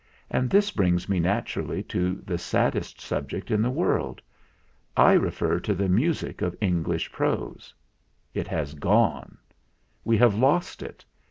And this brings me naturally to the saddest subject in the world. I refer to the music of English prose. It has gone. We have lost it.